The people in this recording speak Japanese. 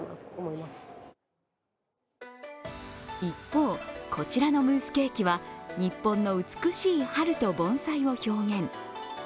一方、こちらのムースケーキは日本の美しい春と盆栽を表現。